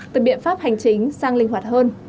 từ biện pháp hành chính sang linh hoạt hơn